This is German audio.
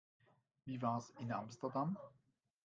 Wie war's in Amsterdam?